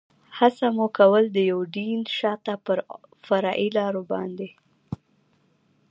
هڅه مو کول، د یوډین شاته پر فرعي لارو باندې.